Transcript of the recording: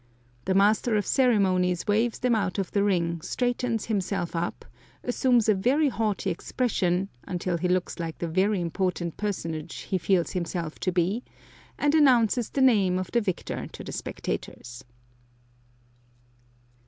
The master of ceremonies waves them out of the ring, straightens himself up, assumes a very haughty expression, until he looks like the very important personage he feels himself to be, and announces the name of the victor to the spectators.